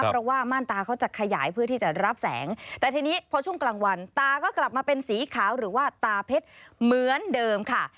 เพราะว่าม่านตาเขาจะขยายเพื่อที่จะรับแสงแต่ทีนี้พอช่วงกลางวันตาก็กลับมาเป็นสีขาวหรือว่าตาเพชรเหมือนเดิมค่ะ